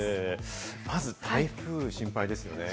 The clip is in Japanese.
まず台風が心配ですよね。